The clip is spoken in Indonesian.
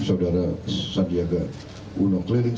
saudara sandiaga uno keliling